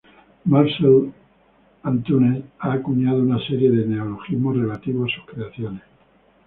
Marcel·lí Antúnez ha acuñado una serie de neologismos relativos a sus creaciones.